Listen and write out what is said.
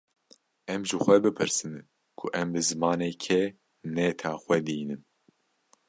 Em ji xwe bipirsin ku em bi zimanê kê nêta xwe dînin